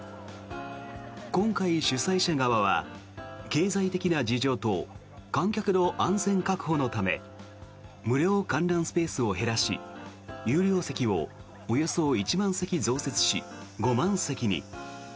今回、主催者側は経済的な事情と観客の安全確保のため無料観覧スペースを減らし有料席をおよそ１万席増設し５万席に。